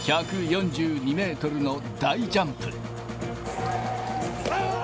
１４２メートルの大ジャンプ。